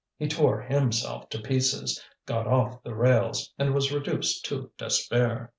He tore himself to pieces, got off the rails, and was reduced to despair.